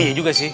iya juga sih